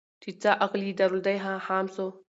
چي څه عقل یې درلودی هغه خام سو